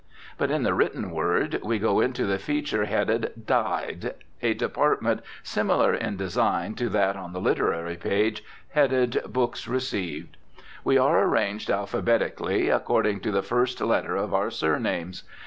But in the written word we go into the feature headed "Died," a department similar in design to that on the literary page headed "Books Received." We are arranged alphabetically according to the first letter of our surnames.